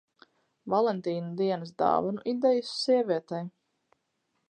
Valentīna dienas dāvanu idejas sievietei.